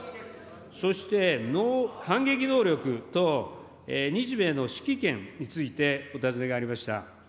そして反撃能力等日米の指揮権についてお尋ねがありました。